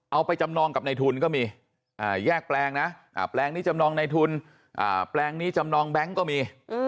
เอาไปจำนองกับในทุนก็มีแยกแปลงนะแปลงนี้จำนองในทุนแปลงนี้จำนองแบงค์ก็มี